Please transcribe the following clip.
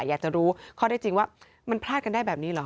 อยากจะรู้ข้อได้จริงว่ามันพลาดกันได้แบบนี้เหรอ